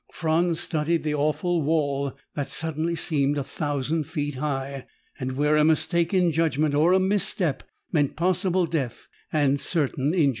Franz studied the awful wall that suddenly seemed a thousand feet high, and where a mistake in judgment or a misstep meant possible death and certain injury.